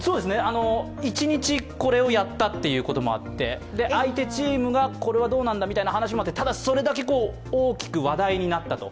一日これをやったということがあって相手チームが、これはどうなんだみたいな話もあって、ただ、それだけ大きく話題になったと。